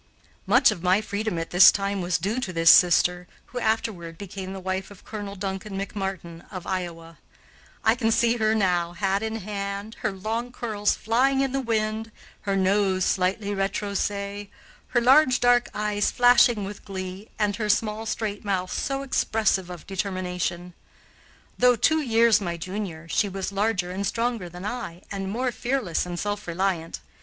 Much of my freedom at this time was due to this sister, who afterward became the wife of Colonel Duncan McMartin of Iowa. I can see her now, hat in hand, her long curls flying in the wind, her nose slightly retroussé, her large dark eyes flashing with glee, and her small straight mouth so expressive of determination. Though two years my junior, she was larger and stronger than I and more fearless and self reliant.